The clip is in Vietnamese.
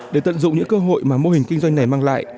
để tận dụng những cơ hội mà mô hình kinh doanh này mang lại